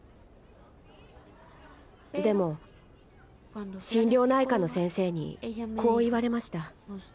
でも心療内科の先生にこう言われました。